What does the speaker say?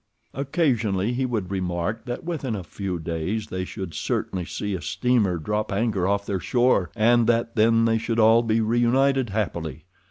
Occasionally he would remark that within a few days they should certainly see a steamer drop anchor off their shore, and that then they should all be reunited happily.